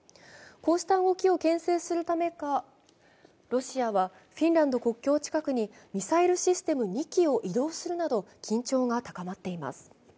こうした動きを牽制するためかロシアはフィンランド国境近くにミサイルシステム２基を移動するなど緊張が高まっています。